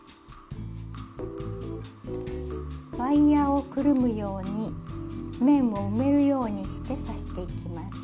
ワイヤーをくるむように面を埋めるようにして刺していきます。